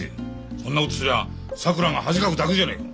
そんなことすりゃさくらが恥かくだけじゃねえか。